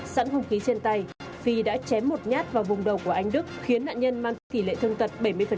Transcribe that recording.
sẵn hùng khí trên tay phi đã chém một nhát vào vùng đầu của anh đức khiến nạn nhân mang tới tỷ lệ thương tật bảy mươi